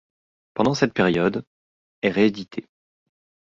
Pendant cette période, ' est réédité.